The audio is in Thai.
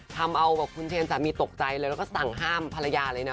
ทำเอาแบบคุณเชนสามีตกใจเลยแล้วก็สั่งห้ามภรรยาเลยนะ